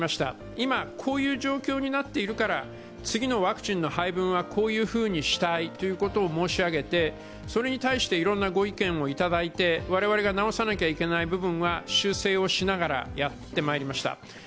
今、こういう状況になっているから次のワクチンの配分はこういうふうにしたいということを申し上げてそれに対して、いろんなご意見をいただいて我々が直さなければいけない部分は修正しながらやってまいりました。